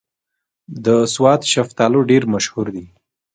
د سوات شلتالو ډېر مشهور دي